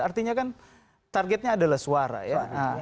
artinya kan targetnya adalah suara ya